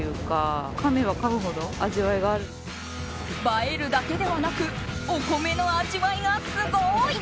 映えるだけではなくお米の味わいがすごい！